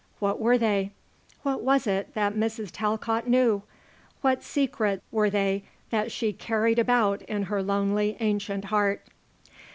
What were they? What was it that Mrs. Talcott knew? What secrets were they that she carried about in her lonely, ancient heart?